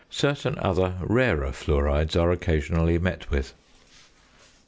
Certain other rarer fluorides are occasionally met with.